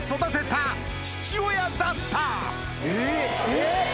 えっ！